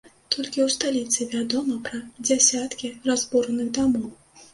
Толькі ў сталіцы вядома пра дзясяткі разбураных дамоў.